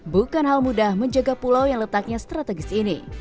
bukan hal mudah menjaga pulau yang letaknya strategis ini